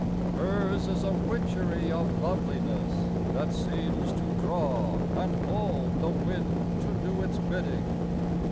Hers is a witchery Of loveliness, that seems to draw and hold The wind to do its bidding.